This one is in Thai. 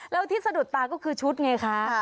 แล้วที่สะดุดตาก็คือชุดไงคะ